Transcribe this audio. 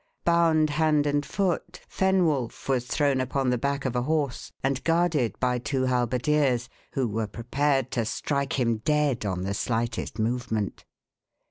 Bound hand and foot, Fenwolf was thrown upon the back of a horse, and guarded by two halberdiers, who were prepared to strike him dead on the slightest movement.